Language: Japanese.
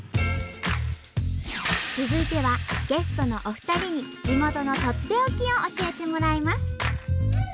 続いてはゲストのお二人に地元のとっておきを教えてもらいます。